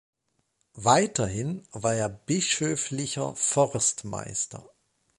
Weiterhin war er bischöflicher Forstmeister.